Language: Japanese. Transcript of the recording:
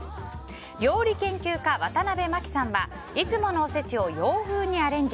料理研究家ワタナベマキさんはいつものおせちを洋風にアレンジ。